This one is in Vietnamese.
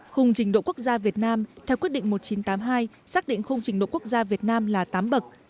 khung trình độ quốc gia việt nam theo quyết định một nghìn chín trăm tám mươi hai xác định khung trình độ quốc gia việt nam là tám bậc